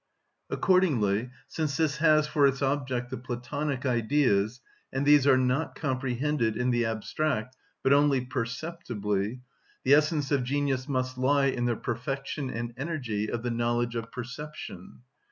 Accordingly, since this has for its objects the Platonic Ideas, and these are not comprehended in the abstract, but only perceptibly, the essence of genius must lie in the perfection and energy of the knowledge of perception.